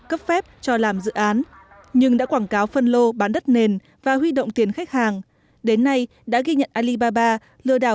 cấp phép cho làm dự án nhưng đã quảng cáo phân lô bán đất nền và huy động tiền khách hàng đến nay đã ghi nhận alibaba lừa đảo